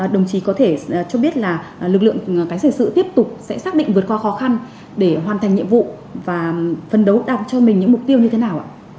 đồng chí có thể cho biết là lực lượng cánh sở sự tiếp tục sẽ xác định vượt qua khó khăn để hoàn thành nhiệm vụ và phấn đấu đọc cho mình những mục tiêu như thế nào